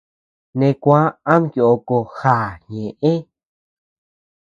Ne kuá am yoko já ñeʼe.